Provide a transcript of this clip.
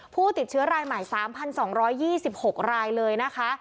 ผู้ติดเชื้อรายใหม่๓๒๒๖รายเลยนะคะ